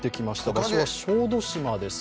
場所は小豆島です